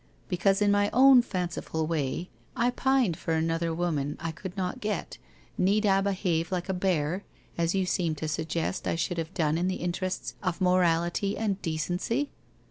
Because in my own fanciful way I pined for another woman I could not get, need I behave like a bear, if you seem to suggest I should have done in the interests of morality and decency?'